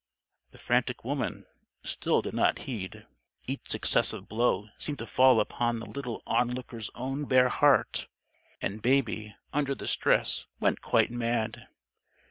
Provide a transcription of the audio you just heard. The frantic woman still did not heed. Each successive blow seemed to fall upon the little onlooker's own bare heart. And Baby, under the stress, went quite mad.